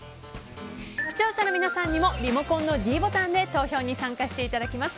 視聴者の皆さんにもリモコンのｄボタンで投票に参加していただきます。